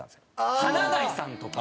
華大さんとか。